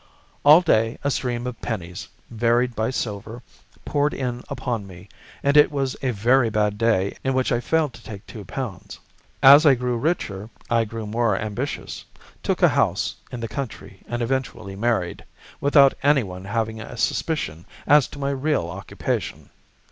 All day a stream of pennies, varied by silver, poured in upon me, and it was a very bad day in which I failed to take £ 2. "As I grew richer I grew more ambitious, took a house in the country, and eventually married, without anyone having a suspicion as to my real occupation.